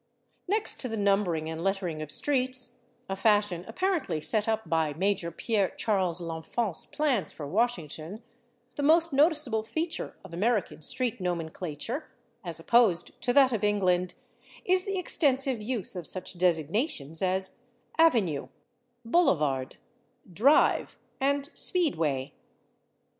Next to the numbering and lettering of streets, a fashion apparently set up by Major Pierre Charles L'Enfant's plans for Washington, the most noticeable feature of American street nomenclature, as opposed to that of England, is the extensive use of such designations as /avenue/, /boulevard/, /drive/ and /speedway